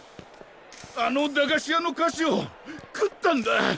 あの駄菓子屋の菓子を食ったんだ！